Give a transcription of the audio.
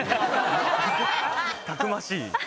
たくましい。